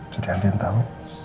jadi andin tau